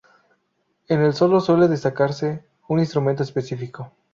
En el solo suele destacarse un instrumento específico.